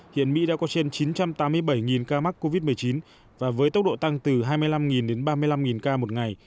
hiện mỹ đã có trên chín trăm tám mươi bảy ca mắc covid một mươi chín và với tốc độ tăng từ hai mươi năm đến ba mươi năm ca một ngày